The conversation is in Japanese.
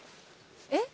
えっ？